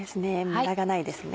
無駄がないですね。